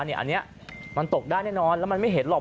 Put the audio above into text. อันนี้มันตกได้แน่นอนแล้วมันไม่เห็นหรอก